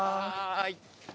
はい。